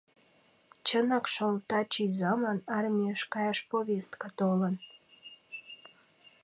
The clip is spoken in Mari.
Чынак шол, таче изамлан армийыш каяш повестка толын.